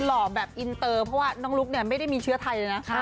หล่อแบบอินเตอร์เพราะว่าน้องลุ๊กเนี่ยไม่ได้มีเชื้อไทยเลยนะ